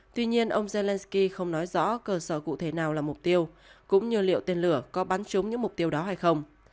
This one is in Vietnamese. tuy nhiên ông zelenskyy không nói rõ cơ sở cụ thể nào là mục tiêu cũng như liệu tên lửa có bắn trúng những mục tiêu đó hay không